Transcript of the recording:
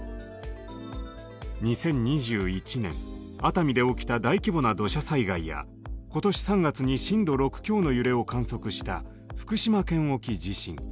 ２０２１年熱海で起きた大規模な土砂災害や今年３月に震度６強の揺れを観測した福島県沖地震。